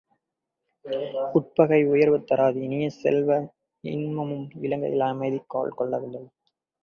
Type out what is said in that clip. உட்பகை உயர்வு தராது இனிய செல்வ, இன்னமும் இலங்கையில் அமைதி கால் கொள்ளவில்லை.